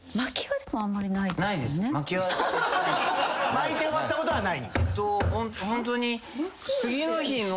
巻いて終わったことはない？